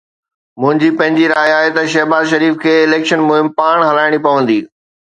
منهنجي پنهنجي راءِ آهي ته شهباز شريف کي اليڪشن مهم پاڻ هلائڻي پوندي.